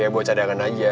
ya buat cadangan aja